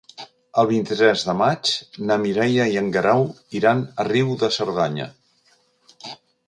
El vint-i-tres de maig na Mireia i en Guerau iran a Riu de Cerdanya.